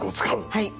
はい。